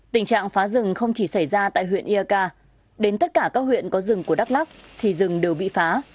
tình trạng phá rừng không chỉ xảy ra tại huyện yaka đến tất cả các huyện có rừng của đắk lắc thì rừng đều bị phá